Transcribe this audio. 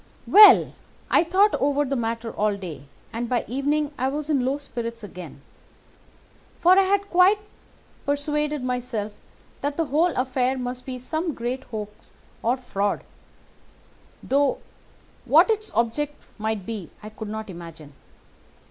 "Well, I thought over the matter all day, and by evening I was in low spirits again; for I had quite persuaded myself that the whole affair must be some great hoax or fraud, though what its object might be I could not imagine.